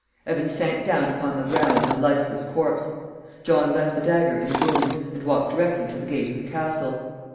Evan sank down upon the ground a lifeless corpse. Lamb left the dagger in the wound, and walked directly to the gate of the castle.